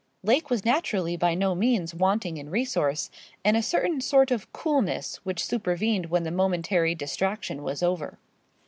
Lake was naturally by no means wanting in resource, and a certain sort of coolness, which supervened when the momentary distraction was over.